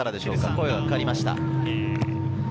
声がかかりました。